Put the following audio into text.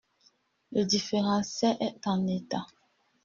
Le différentiel est en état.